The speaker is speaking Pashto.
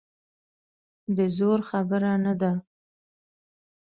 د زور خبره نه ده.